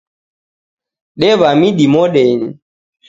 Dewa midi modenyi